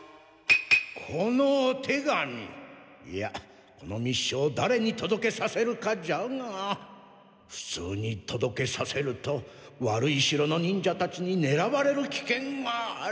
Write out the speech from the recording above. このお手紙いやこの密書をだれに届けさせるかじゃがふつうに届けさせると悪い城の忍者たちにねらわれる危険がある。